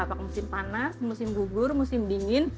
apakah musim panas musim gugur musim dingin